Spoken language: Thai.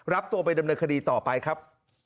รับตัวไปดำเนินคดีต่อไปครับ